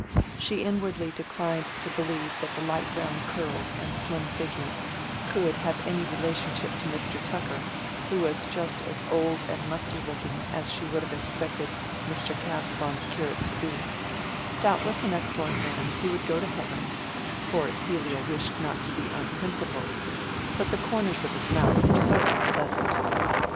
She inwardly declined to believe that the light brown curls and slim figure could have any relationship to Mr. Tucker, who was just as old and musty looking as she would have expected Mr. Casaubon's curate to be; doubtless an excellent man who would go to heaven (for Celia wished not to be unprincipled), but the corners of his mouth were so unpleasant.